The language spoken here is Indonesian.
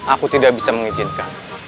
aku tidak bisa mengizinkan